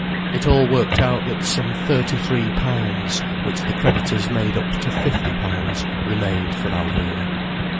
It all worked out that some thirty three pounds, which the creditors made up to fifty pounds, remained for Alvina.